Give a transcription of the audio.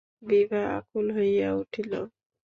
বিভা আকুল হইয়া উঠিল।